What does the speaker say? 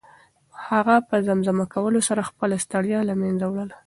هغه په زمزمه کولو سره خپله ستړیا له منځه وړله.